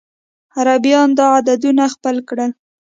عربيان دا عددونه خپل کړل.